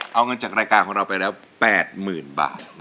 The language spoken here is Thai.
เอาเงินจากรายการของเราไปแล้ว๘๐๐๐บาท